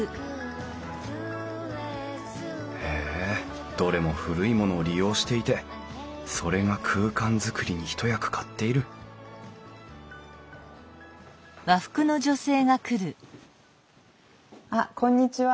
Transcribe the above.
へえどれも古いものを利用していてそれが空間作りに一役買っているあっこんにちは。